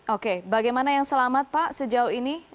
oke bagaimana yang selamat pak sejauh ini